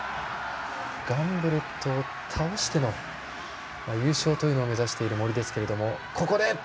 ガンブレットを倒しての優勝というのを目指している森ですけれども。